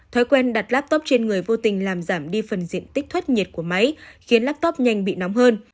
thói quen đặt laptop trên người vô tình làm giảm đi phần diện tích thất nhiệt của máy khiến laptop nhanh bị nóng hơn